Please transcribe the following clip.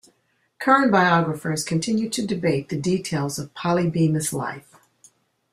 Current biographers continue to debate the details of Polly Bemis' life.